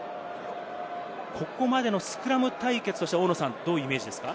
ここまでのスクラム対決として、どういうイメージですか？